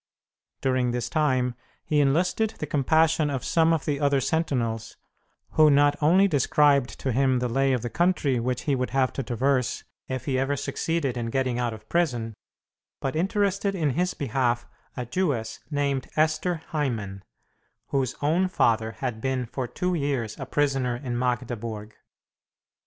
During this time he enlisted the compassion of some of the other sentinels, who not only described to him the lay of the country which he would have to traverse if he ever succeeded in getting out of prison, but interested in his behalf a Jewess named Esther Heymann, whose own father had been for two years a prisoner in Magdeburg.